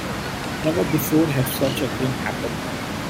Never before had such a thing happened.